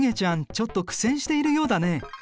ちょっと苦戦しているようだね。